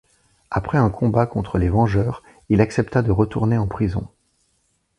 Après un combat contre les Vengeurs, il accepta de retourner en prison.